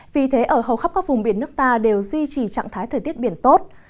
vì thế ở hầu khắp các vùng biển nước ta đều duy trì trạng thái thời tiết biển tốt